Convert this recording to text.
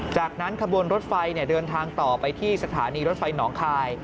จากนั้นขบวนรถไฟเดินทางต่อไปที่สถานีรถไฟหนองคาย